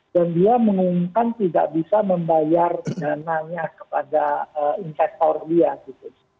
dan dia mengumumkan tidak bisa membayar dananya kepada investor dia gitu